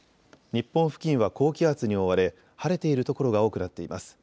日本付近は高気圧に覆われ、晴れている所が多くなっています。